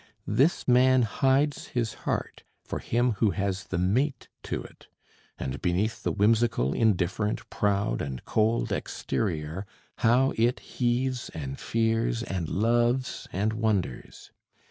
This man hides his heart for him who has the mate to it; and beneath the whimsical, indifferent, proud, and cold exterior, how it heaves and fears and loves and wonders!